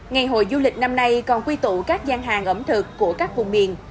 ngày hội du lịch năm nay còn quy tụ các gian hàng ẩm thực của các vùng miền